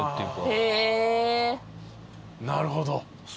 なるほど。